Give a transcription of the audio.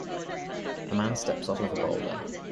A man steps off of a boulder.